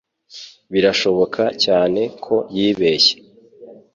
birashoboka cyane ko yibeshye